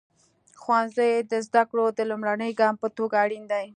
ښوونځی د زده کړو د لومړني ګام په توګه اړین دی.